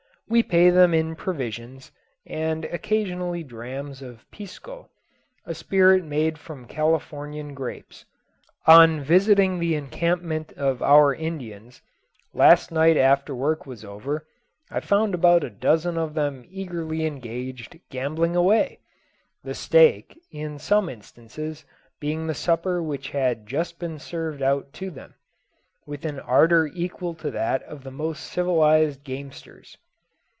We pay them in provisions, and occasionally drams of pisco a spirit made from Californian grapes. On visiting the encampment of our Indians, last night after work was over, I found about a dozen of them eagerly engaged gambling away the stake, in some instances, being the supper which had just been served out to them with an ardour equal to that of the most civilized gamesters.